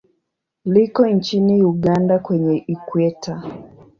Liko nchini Uganda kwenye Ikweta.